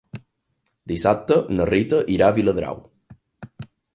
Dissabte na Rita irà a Viladrau.